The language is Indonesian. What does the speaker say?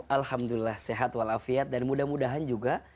alhamdulillah sehat walafiat dan mudah mudahan juga